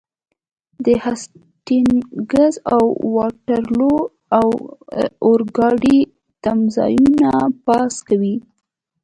د هسټینګز او واټرلو د اورګاډي تمځایونه پاس کوئ.